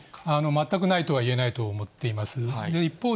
全くないとはいえないと思っています。